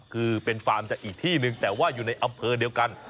คือเป็นฟาร์มจากอีกที่หนึ่งแต่ว่าอยู่ในอำเภอเดียวกัน